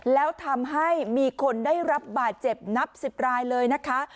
แล้วทำให้มีคนได้รับบาดเจ็บนับ๑๐รายเลยนะคะ